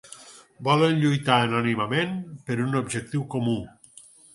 Volen lluitar anònimament per un objectiu comú.